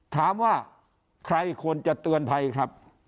ถามว่าใครควรจะเตือนภัยครับ